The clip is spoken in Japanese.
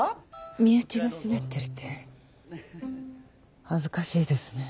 身内がスベってるって恥ずかしいですね。